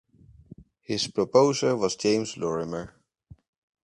His proposer was James Lorimer.